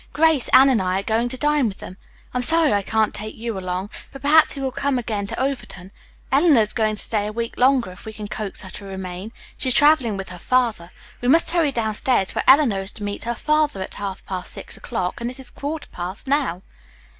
Grace, Anne and I are going to dine with them. I'm sorry I can't take you along, but perhaps he will come again to Overton. Eleanor is going to stay a week longer if we can coax her to remain. She is traveling with her father. We must hurry downstairs, for Eleanor is to meet her father at half past six o'clock, and it is a quarter past now."